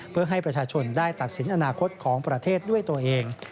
เพื่อให้ประชาชนได้ตัดสินอนาคตของประเทศด้วยตัวเอง